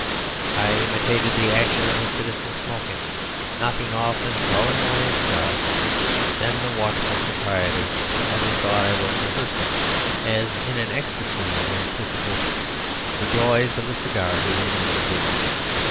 I imitated the action of a citizen smoking, knocking off and throwing away a cigar. The watchful proprietor only thought I was rehearsing (as in an ecstasy of anticipation) the joys of the cigar he was going to give me.